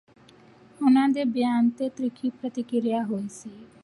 ਉਨ੍ਹਾਂ ਦੇ ਬਿਆਨ ਤੇ ਤਿੱਖੀ ਪ੍ਰਤੀਕਿਰਿਆ ਹੋਈ ਸੀ